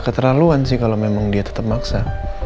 keterlaluan sih kalau memang dia tetap maksa